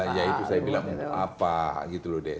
ya itu saya bilang apa gitu loh deh